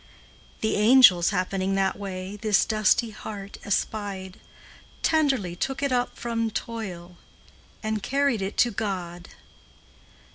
The angels, happening that way, This dusty heart espied; Tenderly took it up from toil And carried it to God.